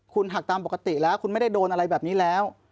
คุณหักตามปกติแล้วคุณไม่ได้โดนอะไรแบบนี้แล้ว